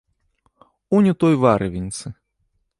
Унь у той варывеньцы.